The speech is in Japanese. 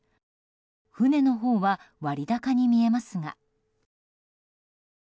船のほうは割高に見えますが。